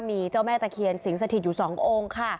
มีเจ้าแม่ตะเคียนสิงสถิตอยู่๒องค์ค่ะ